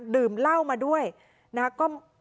ดื่มเหล้ามาด้วยนะครับ